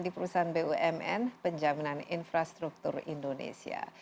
di perusahaan bumn penjaminan infrastruktur indonesia